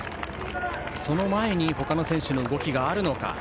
その前に他の選手の動きがあるか。